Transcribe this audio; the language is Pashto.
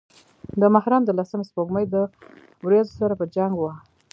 د محرم د لسمې سپوږمۍ د وريځو سره پۀ جنګ وه